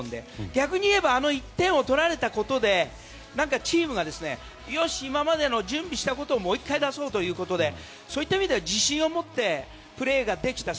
逆にいえばあの１点を取られたことでチームがよし、今までの準備したことをもう１回出そうということでそういった意味では自信を持ってプレーができた。